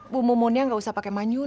bu mumunnya gak usah pake manyun